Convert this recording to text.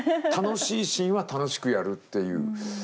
楽しいシーンは楽しくやるっていう。